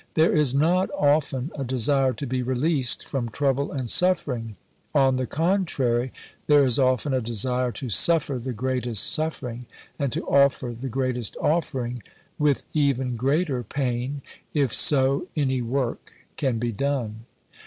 There is not often a desire to be released from trouble and suffering. On the contrary, there is often a desire to suffer the greatest suffering, and to offer the greatest offering, with even greater pain, if so any work can be done.